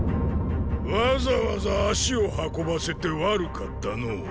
わざわざ足を運ばせて悪かったのォ。